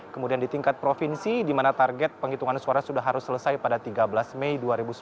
kemudian di tingkat provinsi di mana target penghitungan suara sudah harus selesai pada tiga belas mei dua ribu sembilan belas